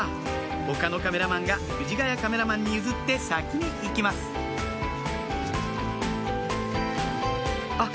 他のカメラマンが藤ヶ谷カメラマンに譲って先に行きますあっ